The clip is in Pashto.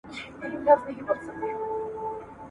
اوس آخره زمانه ده په انسان اعتبار نسته !.